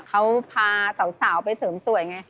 เขาพาสาวไปเสริมสวยไง